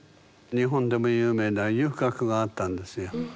日本でも有名な遊郭があったんですよ。